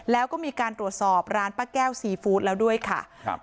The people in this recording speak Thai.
แล้วก็มีการตรวจสอบร้านป้าแก้วซีฟู้ดแล้วด้วยค่ะครับ